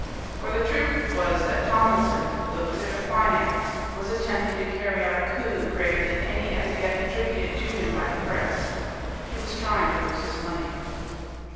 For the truth was that Tomlinson, the Wizard of Finance, was attempting to carry out a coup greater than any as yet attributed to him by the Press. He was trying to lose his money.